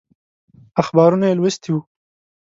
اخبارونه یې لوستي وو.